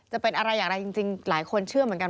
จะมีการแบบนั่งคุยกันต่อไหมคะ